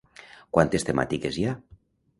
Quantes temàtiques hi ha?